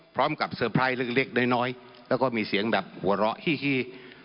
เซอร์ไพรส์เล็กน้อยแล้วก็มีเสียงแบบหัวเราะฮี